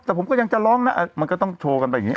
แต่ผมก็ยังจะร้องนะมันก็ต้องโชว์กันไปอย่างนี้